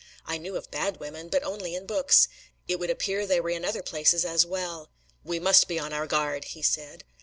I knew of bad women, but only in books: it would appear they were in other places as well! "We must be on our guard," he said.